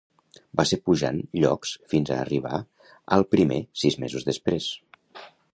Va ser pujant llocs fins a arribar al primer sis mesos després.